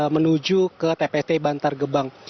menuju ke tpst bantar gebang